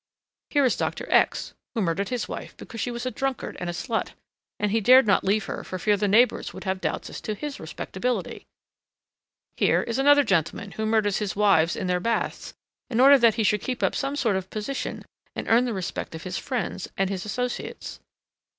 Here is Doctor X. who murdered his wife because she was a drunkard and a slut, and he dared not leave her for fear the neighbours would have doubts as to his respectability. Here is another gentleman who murders his wives in their baths in order that he should keep up some sort of position and earn the respect of his friends and his associates.